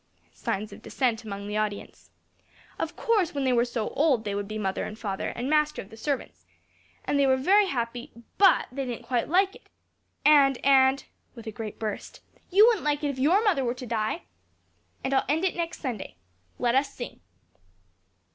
(Signs of dissent among the audience.) "Of course, when they were so old, they would be mother and father, and master of the servants. And they were very happy, but they didn't quite like it. And and" (with a great burst) "you wouldn't like it if your mother were to die! And I'll end it next Sunday. Let us sing."